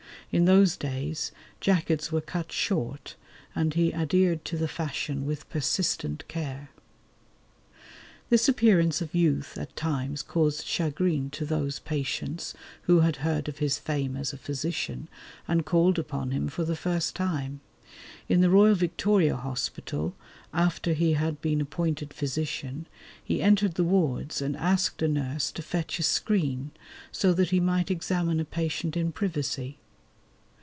In those days jackets were cut short, and he adhered to the fashion with persistent care. This appearance of youth at times caused chagrin to those patients who had heard of his fame as a physician, and called upon him for the first time. In the Royal Victoria Hospital, after he had been appointed physician, he entered the wards and asked a nurse to fetch a screen so that he might examine a patient in privacy.